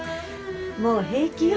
もう平気よ。